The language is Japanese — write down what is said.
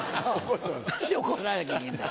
何で怒られなきゃいけねえんだ